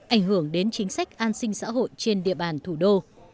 ảnh hưởng đến chính sách an sinh xã hội trên địa bàn thủ đô